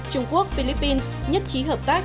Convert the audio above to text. trung quốc philippines nhất trí hợp tác